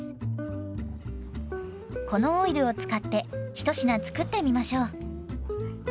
このオイルを使って一品作ってみましょう。